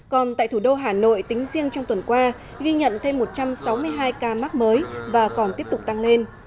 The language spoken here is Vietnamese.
còn tại thủ đô hà nội tính riêng trong tuần qua ghi nhận thêm một trăm sáu mươi hai ca mắc mới và còn tiếp tục tăng lên